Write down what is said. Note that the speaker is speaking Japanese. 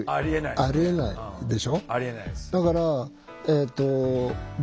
ありえないです。